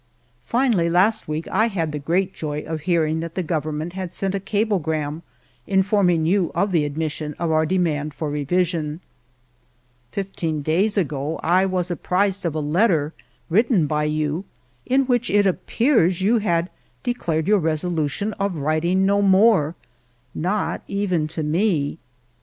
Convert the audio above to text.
" Finally, last week I had the great joy of hear ing that the Government had sent a cablegram informing you of the admission of our demand for revision. ^ None of these letters ever reached me. ALFRED DREYFUS 285 " Fifteen days ago I was apprised of a letter written by you in which, it appears, you had de clared your resolution of writing no more, not even to me.